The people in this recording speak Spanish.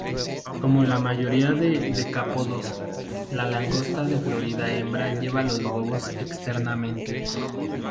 Como la mayoría de decápodos, la langosta de Florida hembra lleva los huevos externamente.